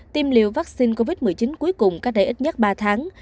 tiêm liều vaccine covid một mươi chín cuối cùng có thể ít nhất ba tháng